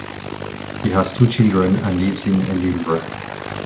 He has two children and lives in Edinburgh.